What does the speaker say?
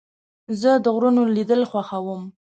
زه د غرونو لیدل خوښوم.